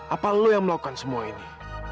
apa lo yang melakukan semua ini